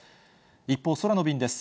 一方、空の便です。